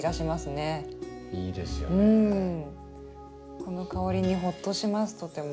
この香りにホッとしますとても。